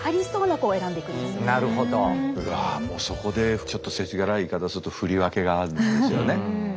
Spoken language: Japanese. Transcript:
もうそこでちょっとせちがらい言い方すると振り分けがあるんですよね。